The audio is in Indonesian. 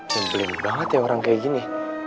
simplin banget ya orang kayak gini